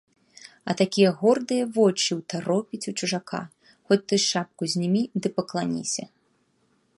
А такія гордыя вочы ўтаропіць у чужака, хоць ты шапку знімі ды пакланіся!